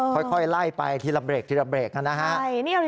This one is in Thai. ค่อยไล่ไปทีละเบรกทีละเบรกนะฮะ